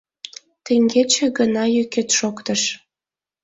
Теҥгече гына йÿкет шоктыш.